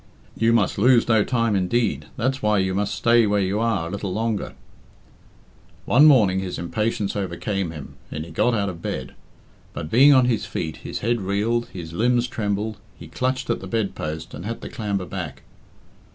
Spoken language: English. "You must lose no time indeed, that's why you must stay where you are a little longer." One morning his impatience overcame him, and he got out of bed. But, being on his feet, his head reeled, his limbs trembled, he clutched at the bed post, and had to clamber back.